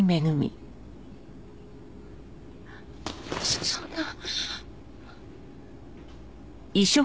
そそんな！